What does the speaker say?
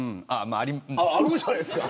あるんじゃないですか。